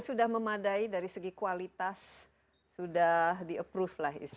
sudah memadai dari segi kualitas sudah di approve lah istilahnya